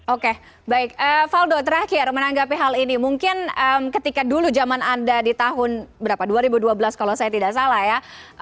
oke baik faldo terakhir menanggapi hal ini mungkin ketika dulu zaman anda di tahun berapa dua ribu dua belas kalau saya tidak salah ya